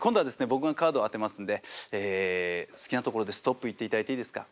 僕がカードを当てますんで好きなところで「ストップ」言っていただいていいですか？